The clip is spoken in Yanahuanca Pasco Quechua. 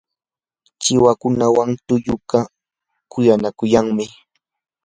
chiwakuwan tuyaqa kuyanakuyanmi.